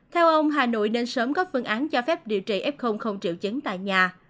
theo ông hà nội nên sớm có phương án cho phép điều trị f không triệu chứng tại nhà